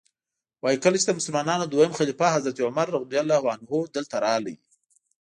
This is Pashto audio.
وایي کله چې د مسلمانانو دویم خلیفه حضرت عمر رضی الله عنه دلته راغی.